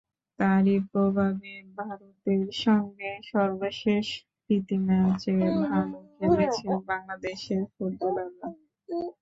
তারই প্রভাবে ভারতের সঙ্গে সর্বশেষ প্রীতি ম্যাচে ভালো খেলেছে বাংলাদেশের ফুটবলাররা।